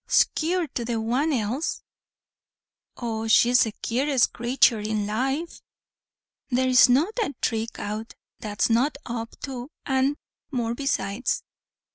"'Scure to the one else. Oh she's the quarest craythur in life. There's not a thrick out, that one's not up to, and more besides.